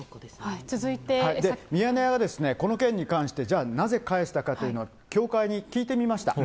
ミヤネ屋がこの件に関して、じゃあ、なぜ返したかというのは、教会に聞いてみました。